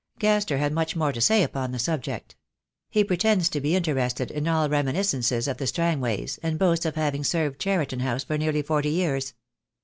"Gaster had much more to say upon the subject. He pretends to be interested in all reminiscences of the Strangways, and boasts of having served Cheriton House for nearly forty years.